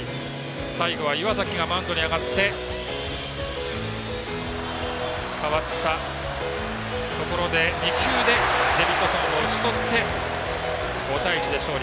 最後は岩崎がマウンドに上がって代わったところで２球でデビッドソンを打ち取って５対１で勝利。